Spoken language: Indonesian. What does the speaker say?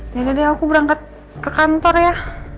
ya udah deh aku berangkat ke kantor ya